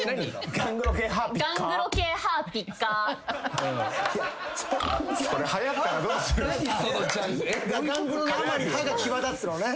ガングロのあまり歯が際立つのね。